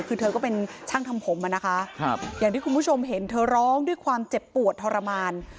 คือเธอก็เป็นช่างทำผมอ่ะนะคะอย่างที่คุณผู้ชมเห็นเธอร้องด้วยความเจ็บปวดทรมาน